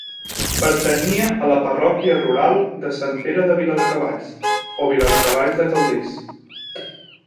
Pertanyia a la parròquia rural de Sant Pere de Viladecavalls, o Viladecavalls de Calders.